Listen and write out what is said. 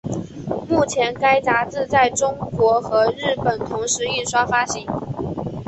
目前该杂志在中国和日本同时印刷发行。